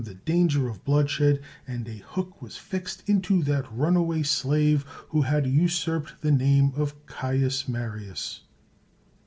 150 CICERO danger of bloodshed, and a hook was fixed intc that runaway slave who had usurped the name of Caius Marius.